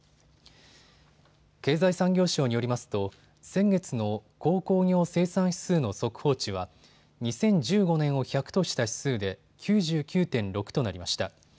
経済産業省によりますと先月の鉱工業生産指数の速報値は２０１５年を１００とした指数で９９．６となりました。